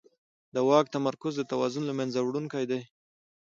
د واک تمرکز د توازن له منځه وړونکی دی